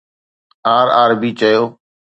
R آر بي چيو